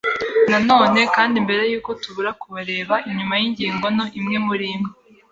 na none; kandi mbere yuko tubura kubareba inyuma yingingo nto, imwe murimwe